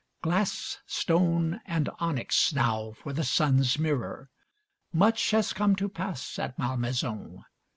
Glass, stone, and onyx now for the sun's mirror. Much has come to pass at Malmaison.